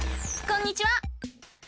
こんにちは！